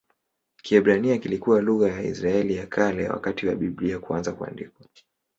Kiebrania kilikuwa lugha ya Israeli ya Kale wakati wa Biblia kuanza kuandikwa.